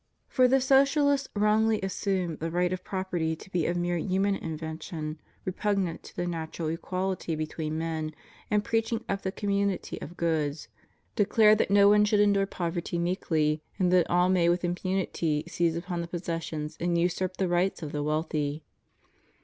For the Socialists wrongly assume the right of property to be of mere human invention, repugnant to the natural equal ity between men, and, preaching up the community of goods, declare that no one should endure poverty meekly, and that all may with impunity seize upon the possessions and usurp the rights of the wealthy.